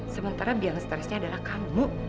sementara biang stresnya adalah kamu